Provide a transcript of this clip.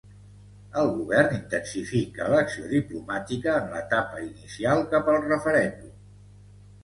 El govern intensifica l'acció diplomàtica en l'etapa inicial cap al referèndum.